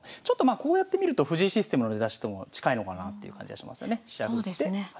ちょっとまあこうやって見ると藤井システムの出だしとも近いのかなという感じはしますよね。